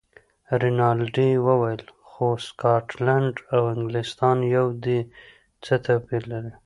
رینالډي وویل: خو سکاټلنډ او انګلیستان یو دي، څه توپیر لري.